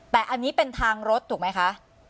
แต่อันนี้เป็นทางรถถูกไหมคะ